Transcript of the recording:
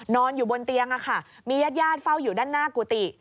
นอนอยู่บนเตียงมีญาติญาติเฝ้าอยู่ด้านหน้ากุฏิ